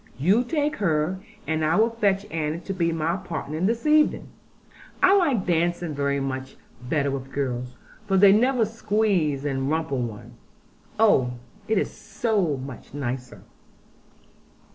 You take her; and I will fetch Annie to be my partner this evening. I like dancing very much better with girls, for they never squeeze and rumple one. Oh, it is so much nicer!'